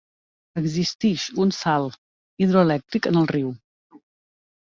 Existix un salt hidroelèctric en el riu.